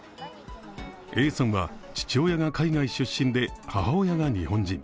Ａさんは、父親が海外出身で母親が日本人。